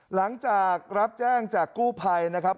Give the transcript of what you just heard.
หลังจากรับแจ้งจากกู้ภัยนะครับ